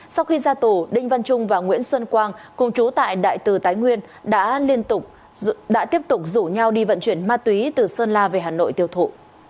sau khi ra tù đinh văn trung và nguyễn xuân quang cùng chú tại đại từ thái nguyên đã tiếp tục rủ nhau đi vận chuyển ma túy từ sơn la về hà nội tiêu thụ